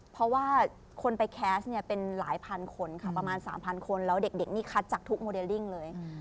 เพราะว่าคนไปแคสต์เนี่ยเป็นหลายพันคนค่ะประมาณ๓๐๐คนแล้วเด็กนี่คัดจากทุกโมเดลลิ่งเลย